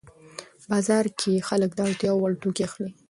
بازار کې خلک د اړتیا وړ توکي اخلي